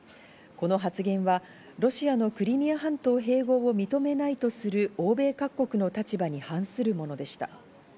この発言はロシアのクリミア半島併合を認めないとする欧米各国の立場に反するものでした。